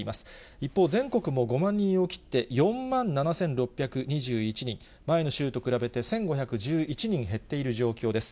一方、全国も５万人を切って、４万７６２１人、前の週と比べて１５１１人減っている状況です。